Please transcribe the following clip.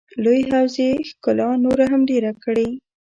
لوی حوض یې ښکلا نوره هم ډېره کړې.